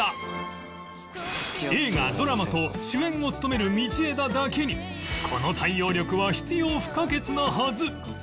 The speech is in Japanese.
映画ドラマと主演を務める道枝だけにこの対応力は必要不可欠なはず